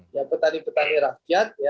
ya petani petani rakyat